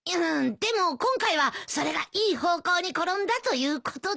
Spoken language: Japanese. でも今回はそれがいい方向に転んだということで。